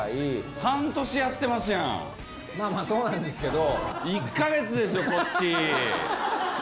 まぁそうなんですけど。